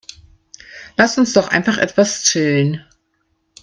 Lass uns doch einfach etwas chillen.